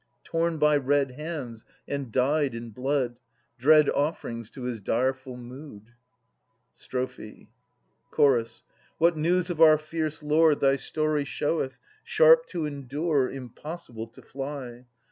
Torn by red hands and dyed in blood. Dread offerings to his direful mood. Strophe. Ch. What news of our fierce lord thy story showeth. Sharp to endure, impossible to fly